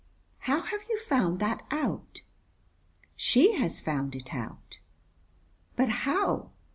"How have you found that out?" "She has found it out." "But how?"